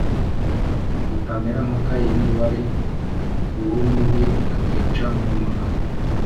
tutamera nka Kayini wari uw’Umubi, akica murumuna we.